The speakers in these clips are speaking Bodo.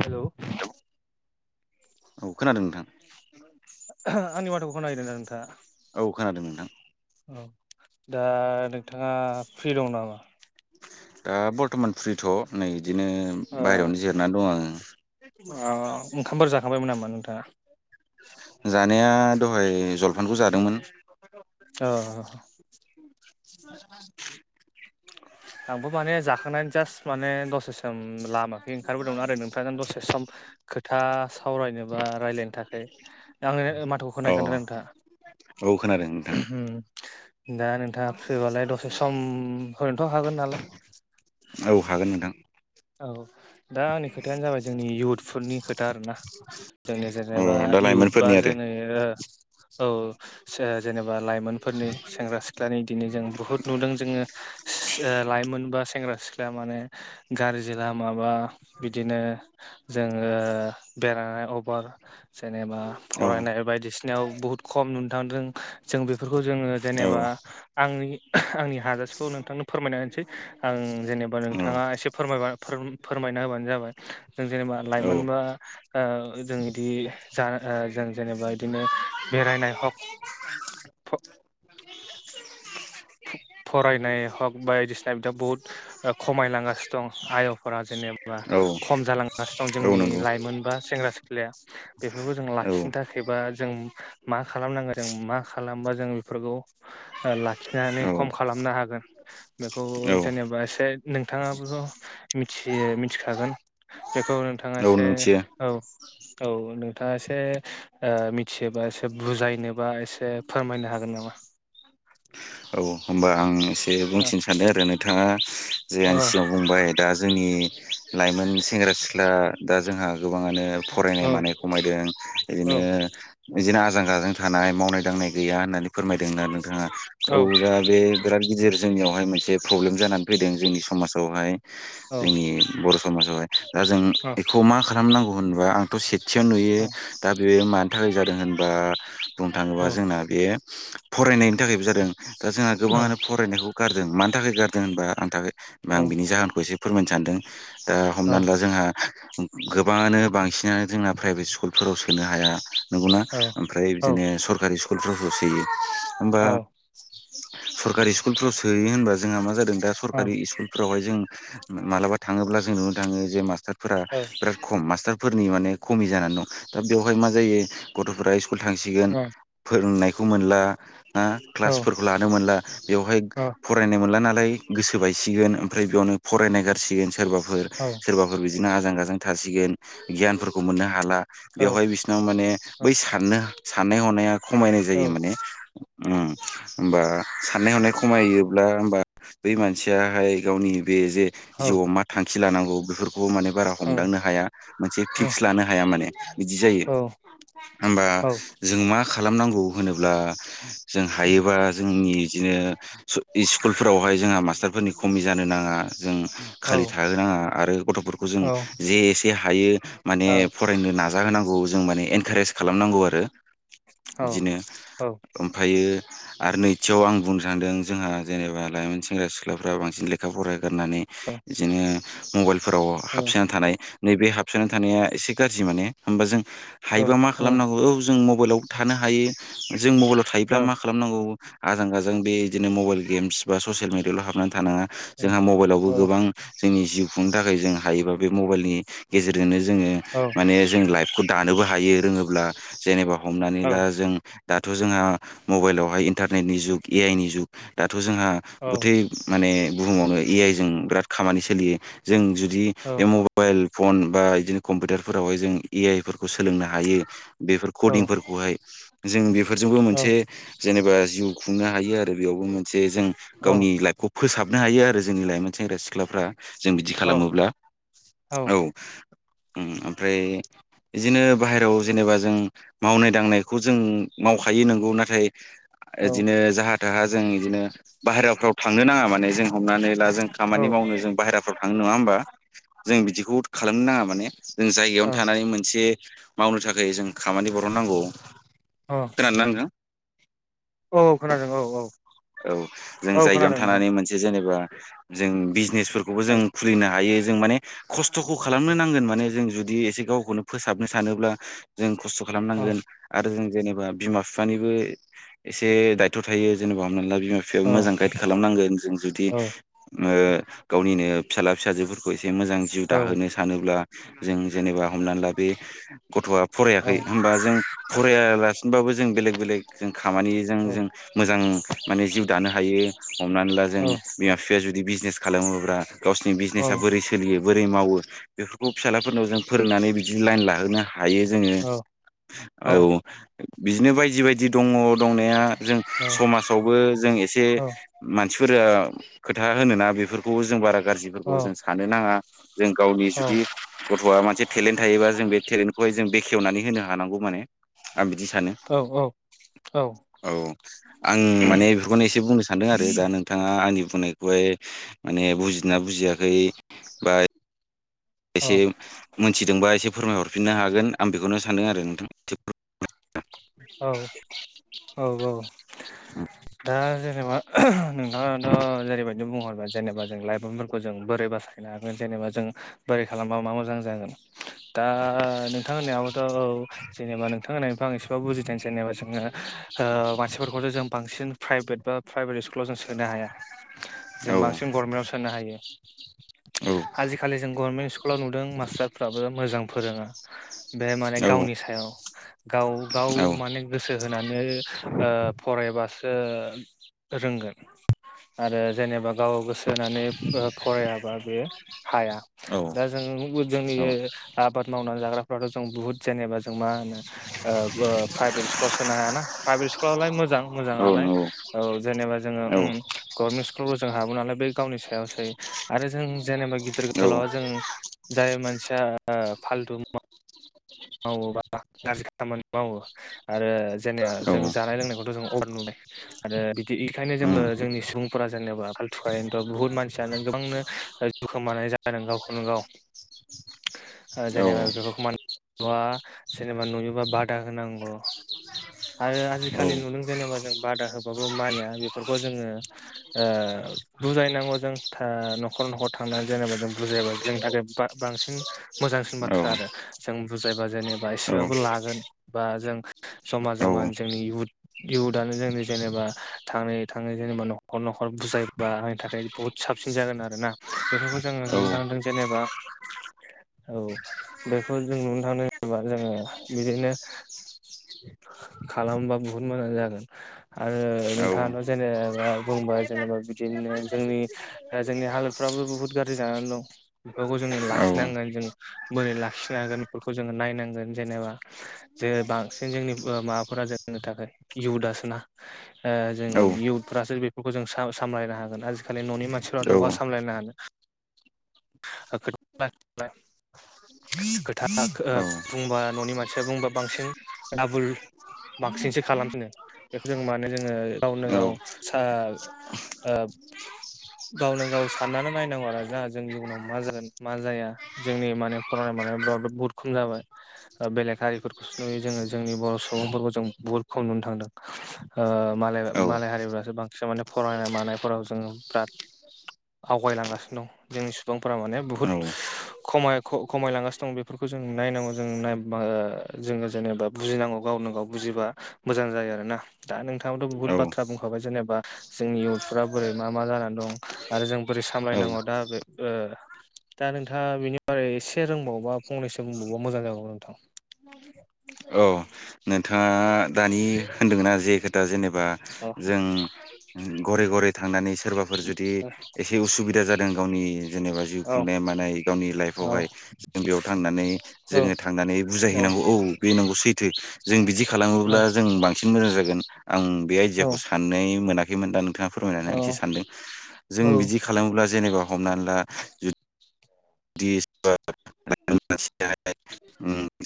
हेलौ औ खोनादों नोंथां। आंनि माथ'खौ खोनागिरदों आरो नोंथाङा? औ खोनादों नोंथां औ दा नोंथाङा फ्रि दं नामा? दा बर्थमान फ्रिथ' नै बिदिनो ओ बायहेरायावनो जिरनानै दं आङो ओ ओंखामफोर जाखांबायमोन नामा नोंथाङा [inaudible] जानाया दहाय जलफानखौ जादोंमोन अ [inaudible] आंबो माने जाखां जास्ट माने दसे सम लाम ओंखारबोदोंमोन आरो नोंथां दसे सम खोथा सावरायनो बा रायलायनो थाखाय आंनो माथोखौ अ खानादों नोंथाङा औ खोनादों नोंथां दा नोंथाङा फ्रि बालाय दसे समफोरनोथ' हागोन नालाय औ हागोन नोंथां औ दा आंनि खोथायानो जाबाय जोंनि इयउथफोरनि खोथा आरोना जोंनिया अ जेनेबा दा इयउ बा लाइमोनफोरनि जो आरो ओ औ जेबा बा लाइमोनफोरनि सेंग्रा सिख्लानि दिनै जों बुहुत नुदों जोङो सि लाइमोन बा सेंग्रा सिख्ला माने गाज्रि लामा बा बिदोनो जोङो बेरायनाय अबार जेनेबा औ फरायनाय बायदिसिनायाव बहुद खम नुनो थांदों जों बे फोरखौ जोङो औ जेनेबा आंनि आंनि हाजासेखौ नोंथांनो फोरमायनासै आं जेनेबा औ नोंथाङा एसे फोरमायब फोरमायना होबानो जाबाय जों जेनेबा औ लाइमोनबा जों इदि ज जों जेनेबा इदिनो बेरायनाय हक [inaudible] फरायनाय हग बायदिसिना बिदिा बुहुत खमायलांगासिनो दं आय'फोरा जेनेब बां औ खम जालांगासिनो दं औ जोंनि नंगौ लाइमोन बा सेंग्रा सिख्लाया बेफोरखौ जों औ लाखिनो थाखायबा जों मा खालामनांगोन जों मा खालामबा जों जों बेफोरखौ ओ खिनानै औ खम औ खालामनो हागोन बेखौ जेनेबा एसे नोंथाङाबोथ' मिथि थियो मिथिखागोन बेखौ नोंथाङा एसे मिथियो औ औ नोंथाङा एसे ओ मिथियोबा एसे बुजायनोबा एसे फोरमायनो हाग जोनामा औ होनोमबा आं एसे बुंथिनो सानो आरो नोंथाङा जे औ आंनि सिगांव बुंबाय दा जोंनि लाइमोन सेंग्रा सिख्ला दा जोंहा गोबाङानो फरायनाय औ मानाय खमायदों बिदिनो औ बिदिनो आजां गाजां थानाय मावनाय दांनाय गैया होननानै फोरमायदोंना नोंथाङा औ दा बे बिराद गिदिर जोंनियावहाय मोनसे प्रब्लेम जानानै फैदों जोंनि समाजावहाय जोंनि बर' समाजावहाय दा जों बेखौ मा खालामनांगौ होनबा आंथ' से थियाव नुयो दा बेयो मानि थाखाय जादों होनबा बुंनो थाङोबा जोंना बे फरायनाय जादों दा जोंहा गोबाङानो फरायनायखौ गारदों मानो थाखाय गारदों होनबा आंनि थाखाय आं बिनि जाहोन एसे फोरमायनो सानदों दा हमनानै ला जोंहा गोबाङानो बांसिनानो जोंना प्राइभेट स्कुलफोराव सोनो हाया नंगौना ओमफ्राय बिदिनो सरकारि स्कुलफ्रावसो सोयो होमबा औ सरकारि स्कुलफ्राव सोयो होनबा जोंहा मा जादों दा सरकारि स्कुलफ्रावहाय जों मालाबा थाङोब्ला जों नुनो थाङो जे मास्टारफोरा बिराद खम मास्टारफोरनि माने खमि जानानै दं दा बेवहाय मा जायो गथ'फोरा स्कुल थांसिगोन फोरोंनाय खौ मोनला क्लासफोरखौ लानो मोनला बेवहाय फरायनो मोनला नालाय ओमफ्राय गोसो बायसिगोन ओमफ्राय बेयावनो फरायनाय गारसिगोन सोरबा सोरबाफोर बिदिनो आजां गाजां थासिगोन गियानफोरखौ मोननो हाला बेवहाय बिसिनाव माने बै साननो साननाय हनाया खमायनाय औ जायो माने होमबा साननाय हनाय खमायोब्ला होमबा बै मानसियाहाय गावनि बे जे औ जिउआव मा थांखि लानांगौ बेफोरखौबो माने बारा हमदांनो हाया मोनसे फिक्स लानो हाया। माने बिदि जायो होमबा जों मा खालामनांगौ होनोब्ला जों हायोबा जोंनि बिदिनो स्कुलफोरावहाय जोंहा मास्टारफोरनि खमि जानो नाङा। जों खालि थाहोनाङा आरो गथ'फोरखौ जों जे एसे हायो माने फरायनो नाजा होनांगौ। जों माने इनकारेज खालामनांगौ आरो बिदिनो ओमफ्रायो आरो नैथियाव आं बुंनो सानदों जोंहा जेनेबा लाइमोन सेंग्रा सिख्लाफोरा बांसिन लेखा फराय गारनानै बिदिनो मबाइलफोराव हाबसोना थानाय नैबे हाबसोना थानाया एसे गाज्रि माने। होमबा जों हायोबा मा खालामनांगौ औ जों मबाइलाव थानो हायो जों मबाइलाव थायोब्ला मा खालामनांगौ। आजां गाजां बे बिदिनो मबाइल गेमस बा ससियेल मिडियाल' हाबनानै थानाङा। जोंहा मबाइलावबो गोबां जोंनि जिउ खुंनो थाखाय जों हायोबा बे मबाइलनि गेजेरजोंनो जोङो माने जों लाइफखौ दानोबो हायो रोङोब्ला। जेनेबा हमनानै ला जों दाथ' जोंहा मबाइलावहाय इन्टारनेटनि जुग ए आइ नि जुग द दाथ' जोंहा गुथै माने बुहुमावनो ए आइ जों बिराद खामानि सोलियो जों जु दि बे मबाइल फन बा बिदिनो कम्पिउटारफोरावहाय जों ए आइ सोलोंनो हायो बेफोर कदिंफोरखौहाय जों बेफोरजोंबो मोनसे जेनेबा जिउ खुंनो हायो आरो। बेयावबो मोनसे जों गावनि लाइफखौ फोसाब हाबनो हायो आरो जोंनि लाइमोन सेंग्रा सिख्लाफ्रा जों बिदि खालामोब्ला औ। ओमफ्राय बिदिनो बाहेरायाव जेनेबा जों मावनाय दांनायखौ जों मावखायो नोंगौ। नाथाय बिदिनो जाहा थाहा जों बिदिनो बाहेरायाव फ्राव थांनो नाङा माने। जों हमनानै ला जों खामानि मावनो जों बाहेराफ्राव थाङो नङा होमबा? जों बिदिखौ बुहुद खालामनो नाङा माने जों जायगायावनो थानानै मोनसे मावनो थाखाय जों खामानि बरन नांगौ। खोनादोंना नोथां? [inaudible] खोनादों औ औ जों औ जायगायावनो खोनादों नोंथां थानानै मोनसे जेनेबा जों बिजनेसफोरखौबो जों खुलिनो हायो। जों माने खस्थ'खौ खालामनो नांगोन माने जों जुदि बिदि एसे गावखौनो फोसाबनो सानोब्ला जों खस्थ' औ खालामनांगोन आरो जों जेनेबा बिमा बिफानिबो एसे दायथ' थायो। जेनेबा हमनानै ला बिमा बिफाया औ मोजां गाइद खालामनांगोन। जों जुदि औ ओ गावनिनो फिसाला फिसाजोफोरखौ एसे मोजां जिउ औ दाहोनो सानोब्ला जों जेनेबा हमनानै ला बे गथ'आ औ फरायाखै होमबा जों फराय बाबो जों बेलेक बेलेग जों खामानिजों औ जों मोजां माने जिउ दानो हायो। हमनानै ला औ जों बिमा बिफाया जुदि बिजनेस खालामोब्ला गावसिनि औ बिजनेसा बोरै सोलियो बोरै मावो बेफोरखौ फिसालाफोरनाव जों फोरोंनानै बिदि लाइन लाहोनो हायो। हायो जोङो औ औ बिदिनो बायदि बायदि दङ दंनाया। जों समाजावबो जों एसे औ मानसिफोरा खोथा होनोना बेफोरखौबो जों बारा गाज्रिफोरखौ जों साननो नाङा जों गावनि औ जुदि गथ'आ मोनसे टेलेन्ट थायोबा जों बे थेलेनखौहाय जों बेखेवनानै होनो हानांगौ माने। आं बिदि सानो। औ [inaudible] औ आं माने बेखौनो एसे बुंनोस सान्दों आरो दा नोंथाङा आंनि बुंनायखौहाय माने बुजिना बुजियाखै बा एसे मोनथि मिथिदोंबा एसे फोरमायहरफिननो हागोन आं बेखौनो सानदों आरो नोंथां। औ औ औ दा जेनेबा नों ङाथ' जेरैबायदि बुंहर जेनेबा जों लाइमोनफोरखौ जों बोरै बासायनो हागोन जेनेबा जों बोरै खालामबा मा मोजां जागोन। दा नोंथां होननायाव थ' जेनेबा नोंथां होननिफ्राय आं एसेबाबो बुजिदों जेनेबा जोङो ओ मानसिफोरखौथ' जों बांसिन प्राइभेट बा प्राइभेट स्कुलाव जों सोनो हाया जों औ बांसिन गभर्नमेन्टाव सोनो हायो औ [inaudible] आजिखालि जों गभार्मेन्ट स्कुलाव नुदों मास्टारफ्राबो मोजां फोरोङा बे माने औ गावनि सायाव गाव गाव औ माने गोसो होनानै ओ फराय बासो रोंगोन आरो जेनेबा गाव गोसो होनानै फरायाबा बेयो हाया औ दा जों जोंनि औ आबाद मावनानै जाग्रा फ्राथ' जों बुहुत जेनेबा जों मा होनो फ्राइभेट्कुलाव सोनो हायाना प्राइभेट स्कुलावलाय मोजां औ मोजांङालाय नंगौ औ जेनेबा जोङो औ उम गर्मेन्ट इसकुलखौ जों हाबोनालाय बे गावनि सायावसै आरो जों जेनेबा गिदिर औ गोलावा जों जाय मानसिया ओ फालथु मुवा मावोबा गाज्रि खामानि मावो आरो जेनेबा औ जों जानाय लोंनायखौथ' जों अबर नुनाय आरो बिदि इखायनो जोङो उम जोंनि सुबुंफोरा जेनेबा फालथुखायनोथ' बुहुत मानसियानो गोबांनो दुखोमानाय जादों गावखौनो गाव [inaudible] ओ जेनेबा औ बेफोरखौ माने बा जेनेबा नुयोबा बादा होनांगौ आरो आजिखालि औ नुदों जेनेबा जों बादा होबाबो मानिया बेफोरखौ जोङो बुजायनांगौ जोंहा न'खर न'खर थांनानै जेनेबा जों बुजायाबा जोंनि थाखाय बाद बांसिन मोजांसिन बाथ्रा आरो औ जों बुजायबा जेनेबा औ एसेबाबो लागोन बा जों जमा जमानि औ जोंनि इउथ इयउथआनो जोंनि जेनेबा थाङै थाङै जेनेबा न'खर न'खर बुजायबा आंनि थाखाय बुहुत साबसिन जागोन आरो ना बेफोरखौ जोङो नुनो थांदों जेनेबा औ बेखौ जों नुनो थांनो जेनेबा जोङो बिदिनो [inaudible] खालामबा बुहुत मोजां जागोन आरो नोंथाङाथ' जेनेबा बुंबा जेनेबा बिदिनो बिदिनो जोंनि जोंनि हालोदफ्राबो बुहुत गाज्रि जानानै दं बेफोरखौ जोङो लाखिनांगोन जों बोरै लाखिनो खिनो हागोन बेफोरखौ जोङो नायनांगोन जेनेबा जे बांसिन जोंनि माबाफोरा जोंनि थाखाय इयुथ आसोना ओ जों इयुथफ्रासो बेफोरखौ जों सामलायनो हागोन आजिखालि न'नि मानसि [unintelligible] बहा सामलायनो हानो [unintelligible] खोथा ओ बुंबा न'नि मानसिया बुंबा बांसिन आबुल बांसिनसो खालामफिनो बेखौ जों मानो जोङो गावनो गाव सोब [inaudible] गावनो गाव साननानै नायनांगौ आरो जोंहा जोंनि इयनाव मा जागोन मा जाया जोंनि माने फरायनाय मानाय बुहुत खम जाबाय बेलेक हारिफोरखौसो नुयो जोङो जोंनि बर' सुबुंफोरखौ जों बुहुत खम नुनो थांदों मालाय हारिफ्रासो बांसिन माने फरायनाय मानायफोराव जों बिराद आवगायलांगासिनो दं जोंनि सुबुंफोरा माने बुहुत खमायलांगासिनो दं बेफोरखौ जों नायनांगौ जों नाय जोङो जेनेबा बुजिनांगौ गावनो गाव बुजिबा मोजां मोजां जायो आरोना दा नोंथांआथ औ बुहुत बाथ्रा बुंखाबाय जेनेबा जोंनि इउथ्फ्रा बोरै मा मा जानानै दं आरो जों बोरै औ सामलायनांगौ दा बे दा नोंथाङा बेनि बारै एसे रोंबाव बा फंनैसो बुंबावबा मोजां जागौ नोंथां औ नोंथाङा दानि होन्दों ना जे खोथा जेनेबा औ जों घरे घरे थांनानै सोरबाफोर जुदि एसे उसुबिदा जादों गावनि जेनेबा जिउ औ खुंनाय मानाय गावनि औ लाइफआवहाय जों बेयाव थांनानै औ जोङो थांनानै बुजायहैनांगौ औ बेनांगौ सैथो जों बिदि खालाम बुंङोब्ला जों बांसिन मोजां जागोन आं बे औ आइडियाखौ साननाय मोनाखैमोन दा नोंथाङा फोरमायनानै आं एसे सानदों जों बिदि खालामोब्ला जेनेबा हमनानै ला दि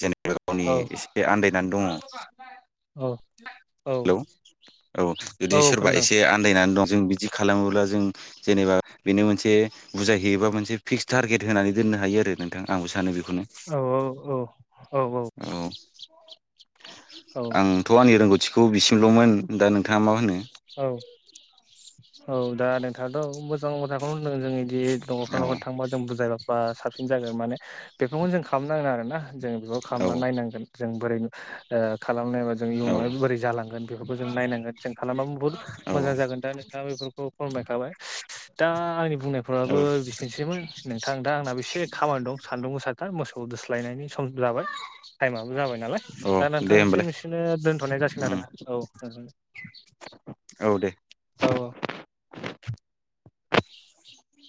जेनेबा गावनि एसे आन्दायनानै दङ औ हेलौ औ औ जुदि सोरबा खोनादों एसे आन्दायनानै दं जों बिदि खालामोब्ला जों जेनेबा बेनो मोनसे बुजाय हैैयोबा मोनसे फिक्स टारगेट होनानै दोननो हायो आरो नोंथां आंबो सानो बेखौ औ औ औ औ औ आंथ' आंनि रोंगौथि बिखौ बिसिमल'मोन दा नोंथाङा मा होनो औ औ दा नोंथाङाथ' मोजां खोथाखौनो जों बिदि नखर औ नखर थांब जों बुजायबा साबसिन मोजांसिन जागोन माने बेफोरखौनो जों खालामनांगोन आरो ना जों बेखौ औ खालामनानै नायनांगोन जों बोरै खालामनायबा जों औ इयुनावनो बोरै जालांगोन बेफोरखौ जों नायनांगोन जों खालामबा बुहुद मोजां औ जागोन दा नोंथाङा बेफोरखौ फोरमायखाबाय दा आंनि औ बुंनायफ्राबो बिसोरनोसै नोंथां दा आंनाबो एसे खामानि दं सान्दुं गोसाथार मोसौ दोस्लायनायनि सम जाबाय टाइमाबो जाबाय नालाय औ दा दे होमबालाय नोंथांसिम बिसनो दोन्थ'नाय उम जासिनागोन आरो औ औ दे औ